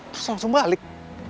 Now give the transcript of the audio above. terus langsung balik